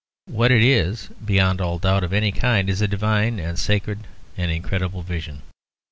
What it is, beyond all doubt of any kind, is a divine and sacred and incredible vision."